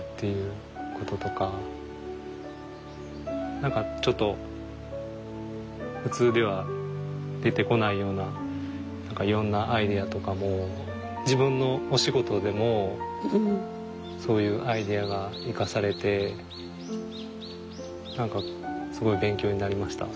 何かちょっと普通では出てこないようないろんなアイデアとかも自分のお仕事でもそういうアイデアが生かされて何かすごい勉強になりました。